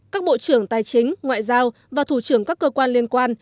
các bộ trưởng tài chính ngoại giao và thủ trưởng các cơ quan liên quan